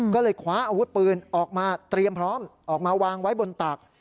ก็เลยคว้าอาวุธปืนออกมาเตรียมพร้อมออกมาวางไว้บนตัก